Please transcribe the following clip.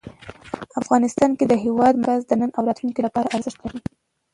افغانستان کې د هېواد مرکز د نن او راتلونکي لپاره ارزښت لري.